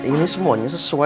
cilok cihoyama lima ratusan